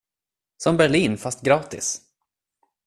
Som Berlin, fast gratis!